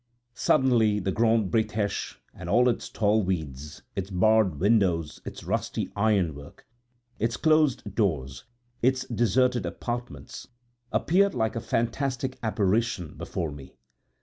Suddenly the Grande Bretêche and its tall weeds, its barred windows, its rusty ironwork, its closed doors, its deserted apartments, appeared like a fantastic apparition before me.